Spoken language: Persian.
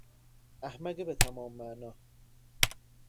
احمق به تمام معنا